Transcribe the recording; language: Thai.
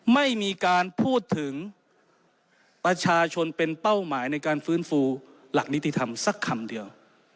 ไม่มีการพูดถึงประชาชนเป็นเป้าหมายในการฟื้นฟูหลักนิติธรรมสักคำเดียว